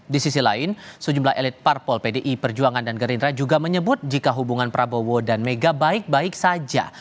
di sisi lain sejumlah elit parpol pdi perjuangan dan gerindra juga menyebut jika hubungan prabowo dan mega baik baik saja